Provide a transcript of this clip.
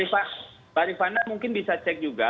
pak rifana mungkin bisa cek juga